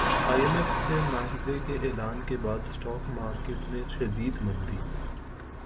ائی M F سے معاہدے کے اعلان کے بعد اسٹاک ایکسچینج میں شدید مندی